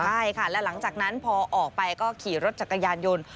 ใช่ค่ะและหลังจากนั้นพอออกไปก็ขี่รถจักรยานยนต์